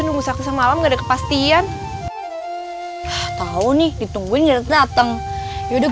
nunggu satu semalam gak ada kepastian tahu nih ditunggu ngerepet dateng yaudah